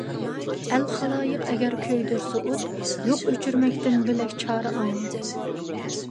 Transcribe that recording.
ئەل - خالايىق ئەگەر كۆيدۈرسە ئوت، يوق ئۆچۈرمەكتىن بۆلەك چارە ئاڭا.